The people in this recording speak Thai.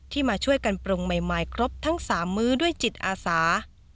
มาช่วยกันปรุงใหม่ครบทั้ง๓มื้อด้วยจิตอาสา